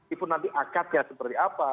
itu nanti akadnya seperti apa